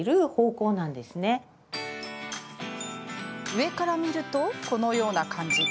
上から見ると、このような感じ。